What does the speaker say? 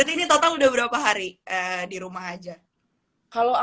berarti ini total udah berapa hari di rumah aja